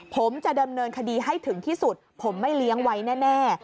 ผมจะดำเนินคดีให้ถึงที่สุดผมไม่เลี้ยงไว้แน่